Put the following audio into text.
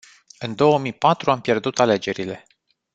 În două mii patru am pierdut alegerile.